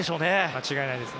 間違いないです。